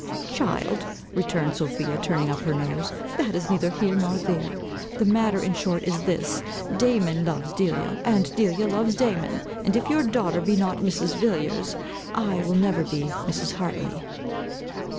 "Child," returned Sophia, turning up her nose, "that is neither here nor there. The matter in short is this. Damon loves Delia, and Delia loves Damon. And if your daughter be not Mrs. Villiers, I will never be Mrs. Hartley."